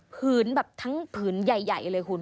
ผืนแบบทั้งผืนใหญ่เลยคุณ